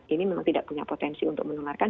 ini memang tidak punya potensi untuk menularkan